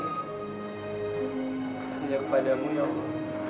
sejak padamu ya allah